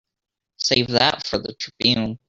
Save that for the Tribune.